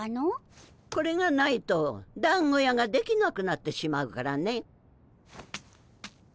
これがないとだんご屋ができなくなってしまうからね。